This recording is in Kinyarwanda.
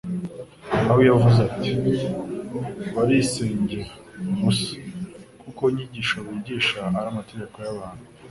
aho yavuze ati : "Barisengera ubusa kuko inyigisho bigisha ari amategeko y'abantu."